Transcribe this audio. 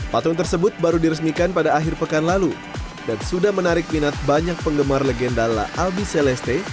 patung tersebut baru diresmikan pada akhir pekan lalu dan sudah menarik minat banyak penggemar legenda la albi celeste